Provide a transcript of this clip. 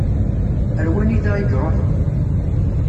Ar wanida i iṛuḥ?